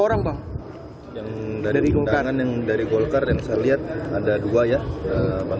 katanya berzakit kuning nih bentar lagi bang